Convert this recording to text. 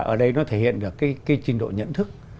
ở đây nó thể hiện được cái trình độ nhận thức